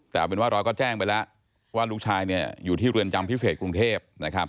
แต่เอาเป็นว่าเราก็แจ้งไปแล้วว่าลูกชายอยู่ที่เรือนจำพิเศษกรุงเทพนะครับ